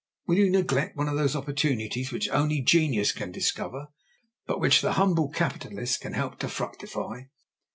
Will you neglect one of those opportunities which only genius can discover, but which the humble capitalist can help to fructify?